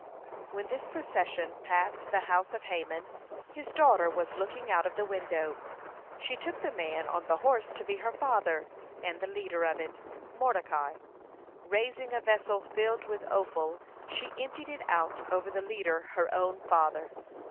(172) When this procession passed the house of Haman, his daughter was looking out of the window. She took the man on the horse to be her father, and the leader of it, Mordecai. Raising a vessel filled with offal, she emptied it out over the leader her own father.